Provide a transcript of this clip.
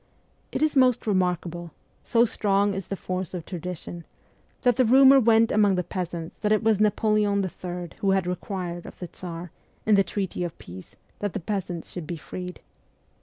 It is most remarkable so strong is the force of tradition that the rumour went among the peasants that it was Napoleon III. who had required of the Tsar, in the treaty of peace, that the peasants should be freed.